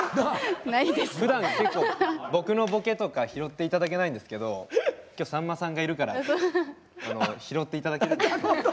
ふだん結構僕のボケとか拾って頂けないんですけど今日さんまさんがいるから拾って頂けるかなと思って。